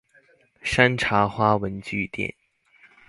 山茶花文具店